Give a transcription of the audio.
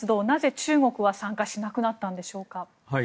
なぜ、中国は参加しなくなったんでしょうか。